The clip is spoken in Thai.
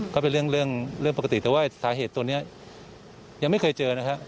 ก็เป็นเรื่องปกติแต่ว่าสาเหตุตัวนี้ยังไม่เคยเจอนะครับ